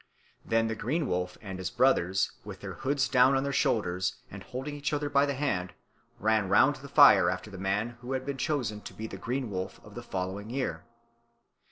Then the Green Wolf and his brothers, with their hoods down on their shoulders and holding each other by the hand, ran round the fire after the man who had been chosen to be the Green Wolf of the following year.